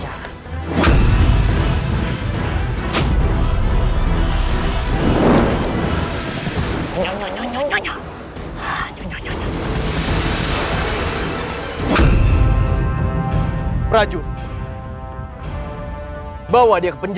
dan setelah dia pulang